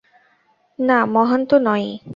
না, মহান তো নয়ই।